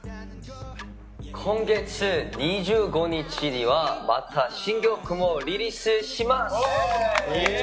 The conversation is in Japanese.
今月２５日には、また新曲もリリースします。